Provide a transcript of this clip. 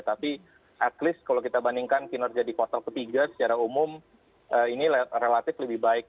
tapi at least kalau kita bandingkan kinerja di kuartal ketiga secara umum ini relatif lebih baik